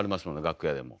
楽屋でも。